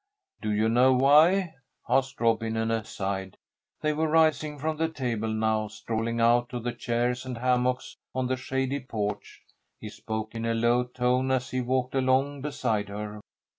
"Do you know why?" asked Rob in an aside. They were rising from the table now, strolling out to the chairs and hammocks on the shady porch. He spoke in a low tone as he walked along beside her.